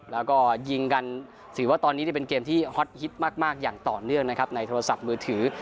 แล้วก็ยิงกันถือว่าตอนนี้เป็นเกมที่ฮอตฮิตมากอย่างต่อเนื่องนะครับในโทรศัพท์มือถือ